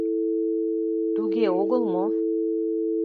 Туге огыл мо?